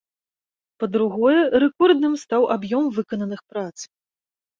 Па-другое, рэкордным стаў аб'ём выкананых прац.